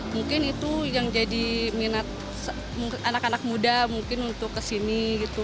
mungkin itu yang jadi minat anak anak muda mungkin untuk kesini gitu